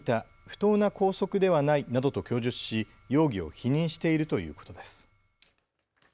不当な拘束ではないなどと供述し容疑を否認しているということです。